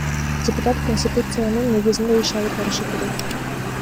Депутат Конституциянын негизинде иш алып барышы керек.